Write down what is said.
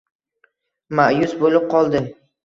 ma`yus bo`lib qoldi